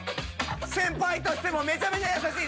先輩としてもめちゃくちゃ優しい！